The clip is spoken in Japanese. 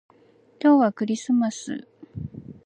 今日はクリスマス